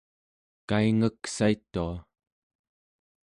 kaingeksaitua